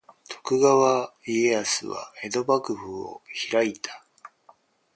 徳川家康は江戸幕府を開いた。